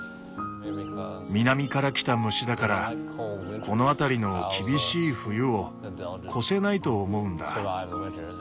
南から来た虫だからこの辺りの厳しい冬を越せないと思うんだ。